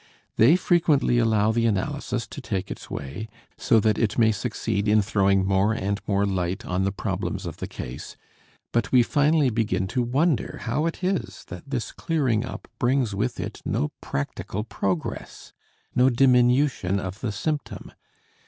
They frequently allow the analysis to take its way, so that it may succeed in throwing more and more light on the problems of the case, but we finally begin to wonder how it is that this clearing up brings with it no practical progress, no diminution of the symptom.